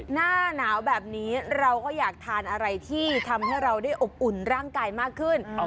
หน้าหนาวแบบนี้เราก็อยากทานอะไรที่ทำให้เราได้อบอุ่นร่างกายมากขึ้น